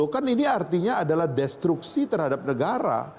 kan ini artinya adalah destruksi terhadap negara